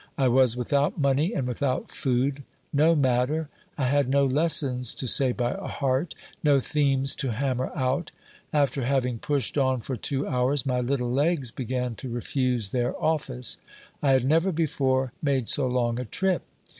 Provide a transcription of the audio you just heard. I was without money and with out food ; no matter ! I had no lessons to say by heart, no themes to hammer out After having pushed on for two hours, my little legs began to refuse their office. I had never before made so long a trip.